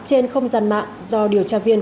trên không gian mạng do điều tra viên